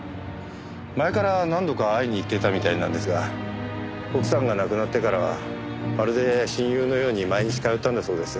前から何度か会いに行ってたみたいなんですが奥さんが亡くなってからはまるで親友のように毎日通ったんだそうです。